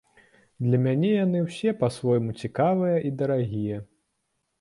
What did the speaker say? Для мяне яны ўсе па-свойму цікавыя і дарагія.